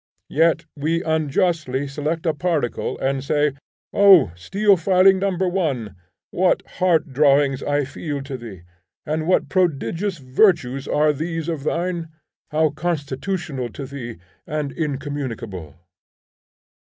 Yet we unjustly select a particle, and say, 'O steel filing number one! what heart drawings I feel to thee! what prodigious virtues are these of thine! how constitutional to thee, and incommunicable.'